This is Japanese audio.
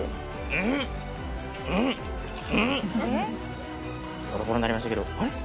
うんっうんっうんっボロボロになりましたけどあれ？